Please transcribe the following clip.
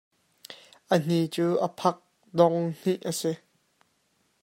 A hni cu a phak dong hnih a si.